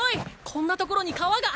こんな所に川が！